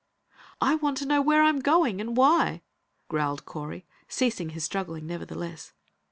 "I want to know where I'm going, and why!" growled Correy, ceasing his struggling, nevertheless.